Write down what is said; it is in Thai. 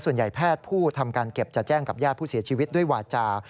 แพทย์ผู้ทำการเก็บจะแจ้งกับญาติผู้เสียชีวิตด้วยวาจา